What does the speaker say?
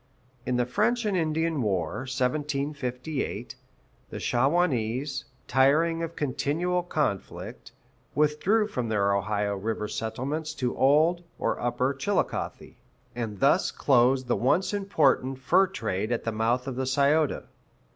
In the French and Indian war (1758), the Shawanese, tiring of continual conflict, withdrew from their Ohio River settlements to Old (or Upper) Chillicothe, and thus closed the once important fur trade at the mouth of the Scioto.